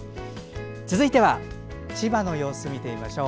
続いて、千葉の様子を見てみましょう。